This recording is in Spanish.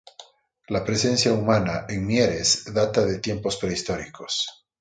La presencia humana en Mieres data de tiempos prehistóricos.